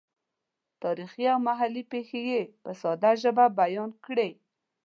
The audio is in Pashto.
تاریخي او محلي پېښې یې په ساده ژبه بیان کړې.